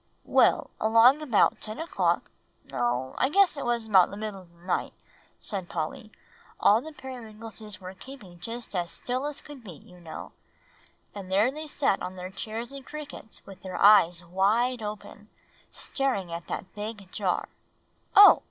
"Well, along about ten o'clock, no, I guess it was about the middle of the night," said Polly, "all the Periwinkleses were keeping just as still as could be, you know; and there they sat on their chairs and crickets with their eyes wide open, staring at that big jar oh!